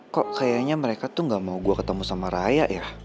kok kayaknya mereka tuh gak mau gue ketemu sama raya ya